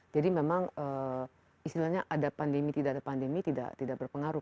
jadi memang istilahnya ada pandemi tidak ada pandemi tidak berpengaruh